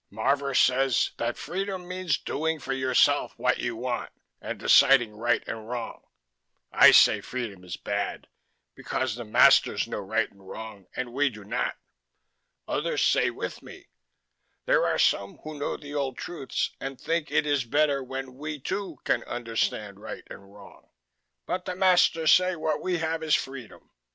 Marvor says that freedom means doing for yourself what you want and deciding right and wrong. I say freedom is bad because the masters know right and wrong and we do not. Others say with me: there are some who know the old truths and think it is better when we, too, can understand right and wrong. But the masters say what we have is freedom.